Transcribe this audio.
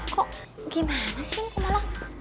kok gimana sih malah